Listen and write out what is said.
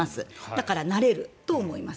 だからなれると思います。